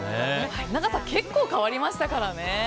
長さ、結構変わりましたからね。